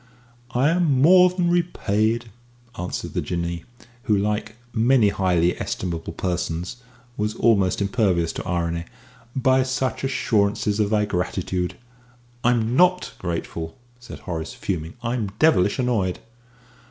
"I am more than repaid," answered the Jinnee, who, like many highly estimable persons, was almost impervious to irony, "by such assurances of thy gratitude." "I'm not grateful," said Horace, fuming. "I'm devilish annoyed!"